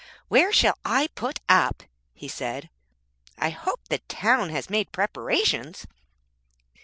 'Where shall I put up?' he said 'I hope the town has made preparations.'